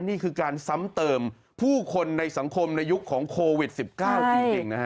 นี่คือการซ้ำเติมผู้คนในสังคมในยุคของโควิด๑๙จริงนะฮะ